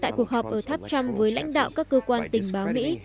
tại cuộc họp ở tháp trump với lãnh đạo các cơ quan tình báo mỹ